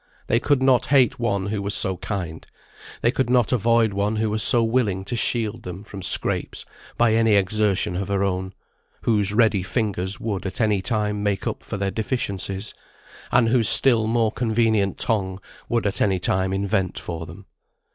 They could not hate one who was so kind; they could not avoid one who was so willing to shield them from scrapes by any exertion of her own; whose ready fingers would at any time make up for their deficiencies, and whose still more convenient tongue would at any time invent for them.